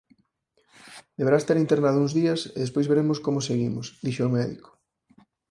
Deberá estar internado uns días e despois veremos como seguimos", dixo o médico.